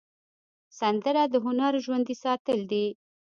سندره د هنر ژوندي ساتل دي